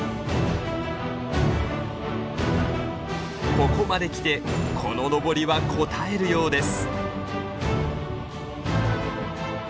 ここまで来てこの上りはこたえるようです。